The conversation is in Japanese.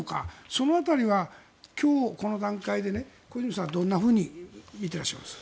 その辺りは今日この段階で小泉さんはどんなふうに見てらっしゃいます？